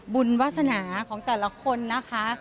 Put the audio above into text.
บุญวาสนาของแต่ละคนนะคะ